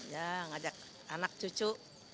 ya ngajak anak cucu